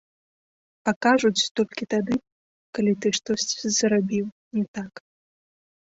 А кажуць толькі тады, калі ты штосьці зрабіў не так.